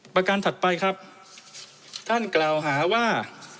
ประการถัดไปครับท่านกล่าวหาว่า